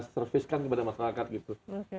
service kan kepada masyarakat gitu